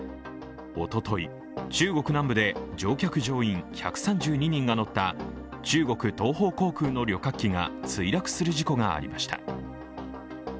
おととい、中国南部で乗客・乗員１３２人が乗った中国東方航空の旅客機が墜落する事故がありました。